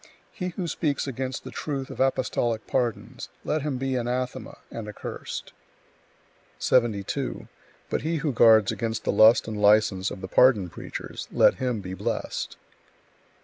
He who speaks against the truth of apostolic pardons, let him be anathema and accursed! 72. But he who guards against the lust and license of the pardon preachers, let him be blessed!